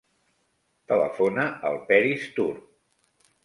Telefona al Peris Tur.